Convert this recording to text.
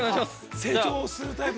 ◆成長するタイプだ。